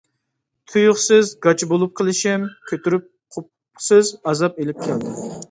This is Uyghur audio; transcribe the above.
تۇيۇقسىز گاچا بولۇپ قېلىشىم كۆتۈرۈپ قوپقۇسىز ئازاب ئېلىپ كەلدى.